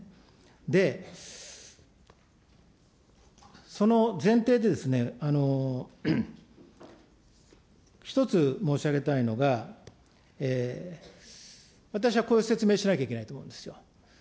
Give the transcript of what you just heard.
で、その前提で、一つ申し上げたいのが、私はこういう説明をしなきゃいけないと思うんですよ。